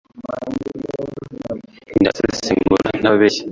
ndabisesengura ntababeshya